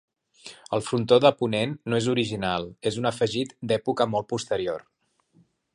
El frontó de ponent no és original; és un afegit d'època molt posterior.